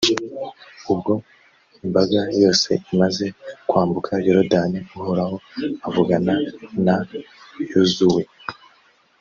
ubwo imbaga yose imaze kwambuka yorudani, uhoraho avugana na yozuwe.